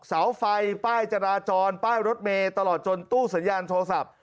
เสาไฟป้ายจราจรป้ายรถเมย์ตลอดจนตู้สัญญาณโทรศัพท์